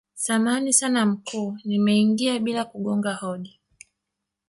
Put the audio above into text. samahani sana mkuu nimeingia bila kugonga hodi